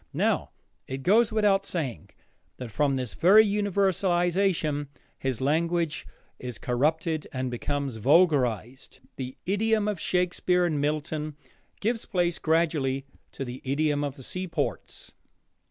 Now it goes without saying that from this very universalization his language is corrupted and becomes vulgarized. The idiom of Shakespeare and Milton gives place gradually to the idiom of the seaports.